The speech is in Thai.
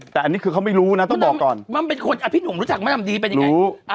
แต่อันนี้คือเขาไม่รู้นะต้องบอกก่อนมันเป็นคนพี่หนุ่มรู้จักมะดำดีเป็นยังไง